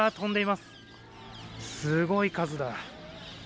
すごい数だ。